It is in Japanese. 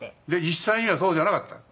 「実際にはそうじゃなかった」